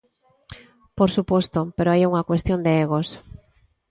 Por suposto, pero hai unha cuestión de egos.